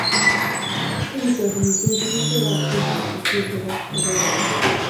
tebisot mising dirisiosekab chumait kosir chebo bakoyande